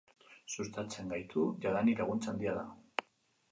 Sustengatzen gaitu, jadanik laguntza handia da.